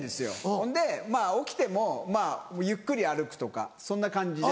ほんで起きてもゆっくり歩くとかそんな感じで。